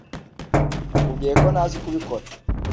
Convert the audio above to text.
Nakubwiye ko ntazi kubikora